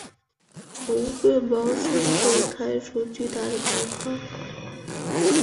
猴面包树会开出巨大的白花。